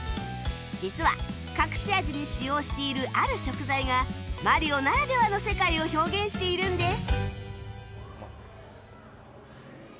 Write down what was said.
実は隠し味に使用しているある食材が『マリオ』ならではの世界を表現しているんです